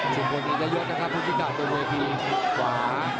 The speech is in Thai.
ทุกคนเราจะยุบนะครับภูกิกเติบโดนเวทีขวา